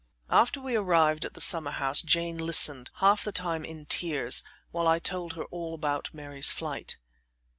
After we arrived at the summer house, Jane listened, half the time in tears, while I told her all about Mary's flight.